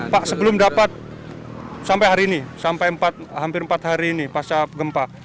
pak sebelum dapat sampai hari ini sampai hampir empat hari ini pasca gempa